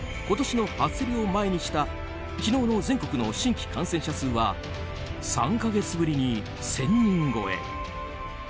今年の初競りを前にした昨日の全国の新規感染者数は３か月ぶりに１０００人超え。